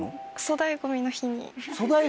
粗大ゴミの日に。